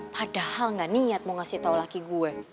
padahal gak niat mau ngasih tau laki gue